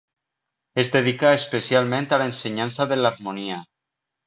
Es dedicà especialment a l'ensenyança de l'harmonia.